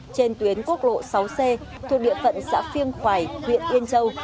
trên tuyến quốc lộ sáu c thuộc địa phận xã phiêng khoài huyện yên châu